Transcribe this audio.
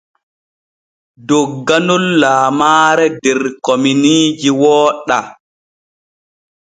Dogganol lamaare der kominiiji wooɗa.